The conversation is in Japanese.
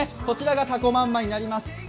こちらが、たこまんまになります。